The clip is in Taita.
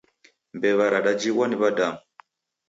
Mbew'a radajighwa ni w'adamu